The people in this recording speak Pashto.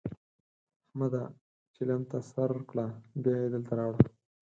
احمده! چلم ته سر کړه؛ بيا يې دلته راوړه.